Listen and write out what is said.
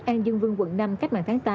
an dương vương quận năm cách mạng tháng tám